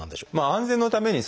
安全のために。